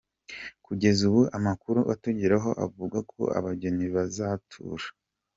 Kugeza ubu amakuru atugeraho avuga ko abageni bazatura.